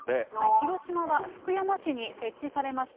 広島は福山市に設置されました。